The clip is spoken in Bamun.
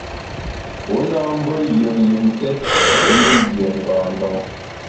U nâ mbe yùen jimfe réni yié ngâ ndon.